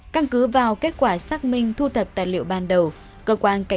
căng cứ vào kết quả xác minh thu thập tài liệu ban đầu